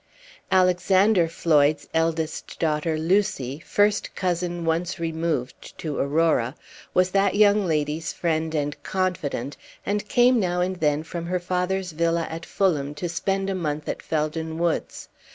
Alexander Floyd's eldest daughter, Lucy, first cousin, once removed to Aurora, was that young lady's friend and confidante, and came now and then from her father's villa at Fulham to spend a month at Felden Woods.